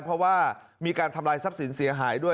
เพราะว่ามีการทำลายทรัพย์สินเสียหายด้วย